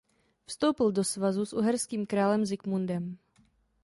Vstoupil do svazu s uherským králem Zikmundem.